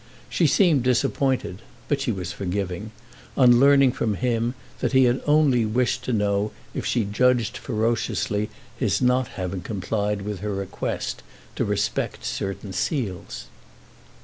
She seemed disappointed (but she was forgiving) on learning from him that he had only wished to know if she judged ferociously his not having complied with her request to respect certain seals.